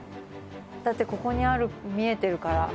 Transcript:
「だってここにある見えてるから」